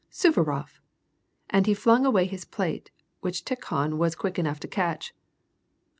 " Suvarof !" and he flung away his plate, which Tikhon was quick enough to catch.